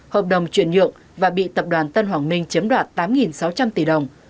hợp đồng chuyển nhượng và bị tập đoàn tân hoàng minh chiếm đoạt tám sáu trăm linh tỷ đồng